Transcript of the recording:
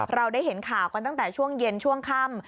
เราได้เห็นข่าวกันตั้งแต่ช่วงเย็นช่วงค่ำ